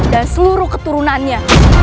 dan seluruh keturunannya